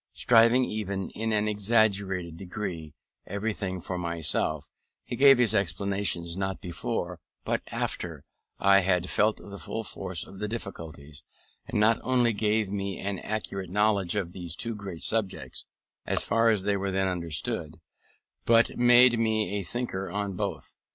Striving, even in an exaggerated degree, to call forth the activity of my faculties, by making me find out everything for myself, he gave his explanations not before, but after, I had felt the full force of the difficulties; and not only gave me an accurate knowledge of these two great subjects, as far as they were then understood, but made me a thinker on both.